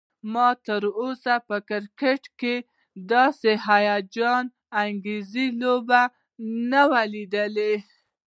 ما تراوسه په کرکټ کې داسې هيجان انګیزه لوبه نه وه لیدلی